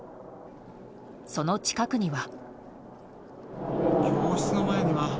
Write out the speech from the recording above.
その近くには。